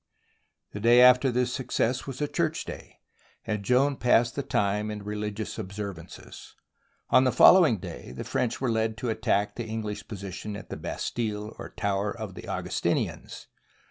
The day after this success was a church day, and Joan passed the time in religious observances. On the following day the French were led to attack the English position at the Bastille or Tower of the Au gustinians.